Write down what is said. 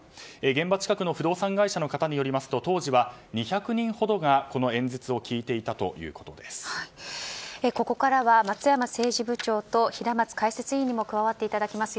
現場近くの不動産会社の方によりますと当時は２００人ほどがこの演説をここからは松山政治部長と平松解説員にも加わっていただきます。